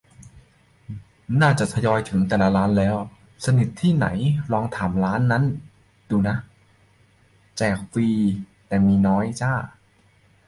น่าจะทยอยถึงแต่ละร้านแล้ว สนิทที่ไหนลองถามร้านนั้นดูน้า แจกฟรี แต่มีน้อยจ้า